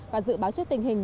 và dự báo trước tình hình